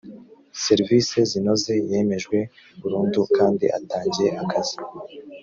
serivisi zinoze yemejwe burundu kandi atangiye akazi